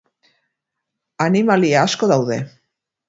Animalia asko daude.